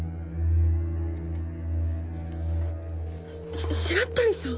し白鳥さん？